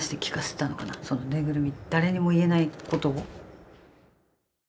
その縫いぐるみに誰にも言えないことを。